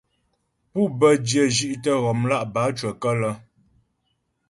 Pû bə́ dyə̂ zhí'tə ghɔmlá' bǎcyəkə́lə́.